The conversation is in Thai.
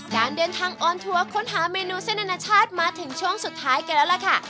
การเดินทางออนทัวร์ค้นหาเมนูเส้นอนาชาติมาถึงช่วงสุดท้ายกันแล้วล่ะค่ะ